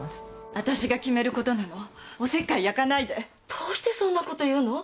私が決めることなのおせっかい焼かないでどうしてそんなこと言うの？